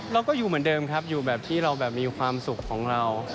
เราก็อยู่เหมือนเดิมครับอยู่แบบที่เราแบบมีความสุขของเรา